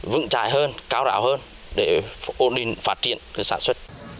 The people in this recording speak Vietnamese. vững chạy hơn cao đảo hơn để ổn định phát triển sản xuất